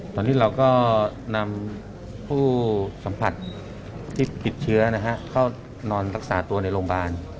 ตอนนี้เราก็นำผู้สัมผัสที่ติดเชื้อเข้านอนรักษาตัวในโรงพยาบาล